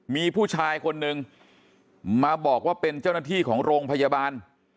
มีผู้ชายคนนึงมาบอกว่าเป็นเจ้าหน้าที่ของโรงพยาบาล